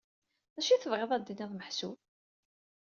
D acu tebɣiḍ ad d-tiniḍ meḥsub?